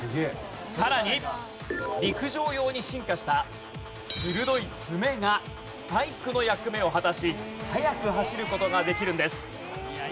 さらに陸上用に進化した鋭い爪がスパイクの役目を果たし速く走る事ができるんです。